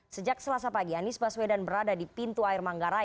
sejak selasa pagi anies baswedan berada di pintu air manggarai